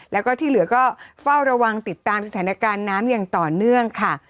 แล้วก็ที่เหลือก็เฝ้าระวังติดตามสถานการณ์น้ำอย่างต่อเนื่องค่ะ